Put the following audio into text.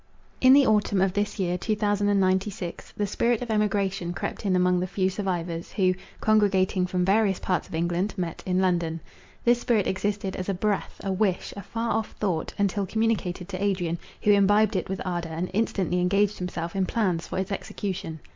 In the autumn of this year 2096, the spirit of emigration crept in among the few survivors, who, congregating from various parts of England, met in London. This spirit existed as a breath, a wish, a far off thought, until communicated to Adrian, who imbibed it with ardour, and instantly engaged himself in plans for its execution.